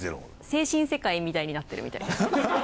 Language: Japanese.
精神世界みたいになってるみたいです。